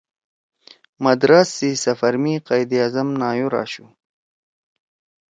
مدراس سی سفر می قائداعظم نایور آشُو